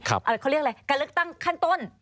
เขาเรียกอะไรการเลือกตั้งขั้นต้น